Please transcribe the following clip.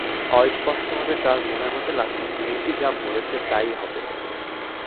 অস্পষ্টভাবে তাঁর মনে হতে লাগল, মেয়েটি যা বলছে, তা-ই হবে।